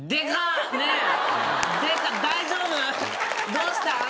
どうしたん？